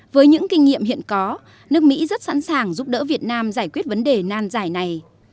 với những kinh nghiệm hiện có nước mỹ rất sẵn sàng giúp đỡ việt nam giải quyết vấn đề nan giải này